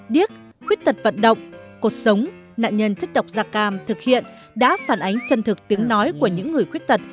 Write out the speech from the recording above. điếc khuyết tật vận động cuộc sống nạn nhân chất độc da cam thực hiện đã phản ánh chân thực tiếng nói của những người khuyết tật